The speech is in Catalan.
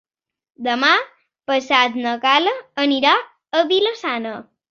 Demà passat na Gal·la anirà a Vila-sana.